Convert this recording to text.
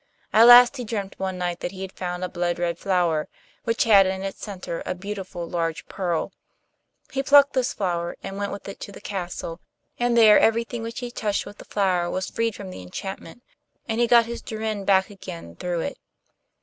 At last he dreamt one night that he had found a blood red flower, which had in its centre a beautiful large pearl. He plucked this flower and went with it to the castle; and there everything which he touched with the flower was freed from the enchantment, and he got his Jorinde back again through it.